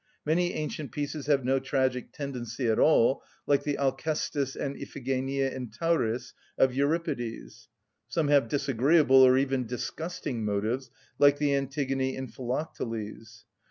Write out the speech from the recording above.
Many ancient pieces have no tragic tendency at all, like the Alcestis and Iphigenia in Tauris of Euripides; some have disagreeable, or even disgusting motives, like the Antigone and Philocteles.